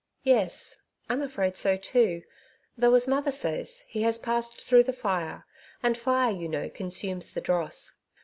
^^ Yes, I'm afraid so, too ; though, as mother says, he has passed through the fire, and fire, you know, consumes the dross.